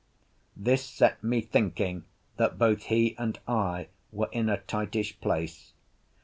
This set me thinking that both he and I were in a tightish place.